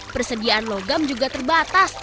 persediaan logam juga terbatas